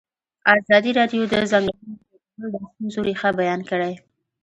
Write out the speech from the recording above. ازادي راډیو د د ځنګلونو پرېکول د ستونزو رېښه بیان کړې.